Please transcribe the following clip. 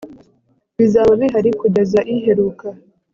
Bizaba bihari kugeza iheruka